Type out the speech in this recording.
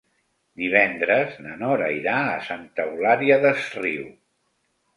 Divendres na Nora irà a Santa Eulària des Riu.